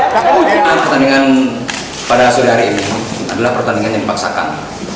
pertandingan pada sore hari ini adalah pertandingan yang dipaksakan